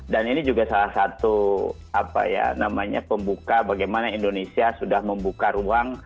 dan ini juga salah satu apa ya namanya pembuka bagaimana indonesia sudah membuka rumah